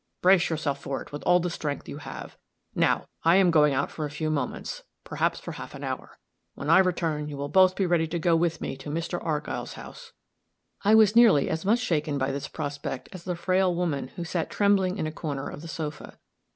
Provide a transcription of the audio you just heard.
Brace yourself for it with all the strength you have. Now, I am going out a few moments perhaps for half an hour. When I return, you will both be ready to go with me to Mr. Argyll's house." I was nearly as much shaken by this prospect as the frail woman who sat trembling in a corner of the sofa.